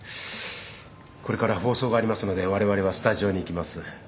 これから放送がありますので我々はスタジオに行きます。